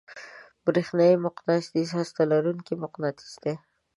برېښنايي مقناطیس هسته لرونکی مقناطیس دی.